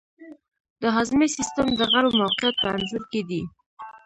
د هاضمې سیستم د غړو موقیعت په انځور کې دی.